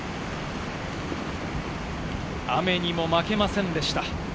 雨にも負けませんでした。